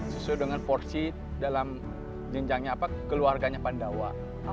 sesuai dengan porsi dalam jenjangnya apa keluarganya pandawa